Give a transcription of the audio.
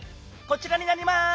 こちらになります！